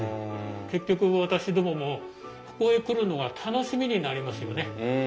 結局私どももここへ来るのが楽しみになりますよね。